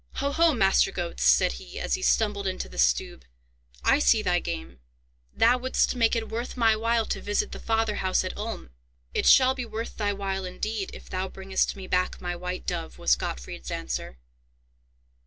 "Ho, ho! Master Goetz," said he, as he stumbled into the Stube, "I see thy game. Thou wouldst make it worth my while to visit the father house at Ulm?" "It shall be worth thy while, indeed, if thou bringest me back my white dove," was Gottfried's answer.